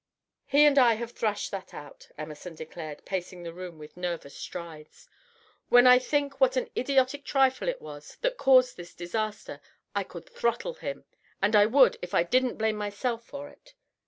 "He and I have threshed that out," Emerson declared, pacing the room with nervous strides. "When I think what an idiotic trifle it was that caused this disaster, I could throttle him and I would if I didn't blame myself for it."